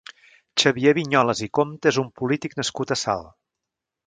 Xavier Vinyoles i Compta és un polític nascut a Salt.